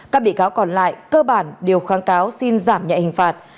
các bị cáo còn lại cơ bản đều kháng cáo xin giảm nhạy hình phạt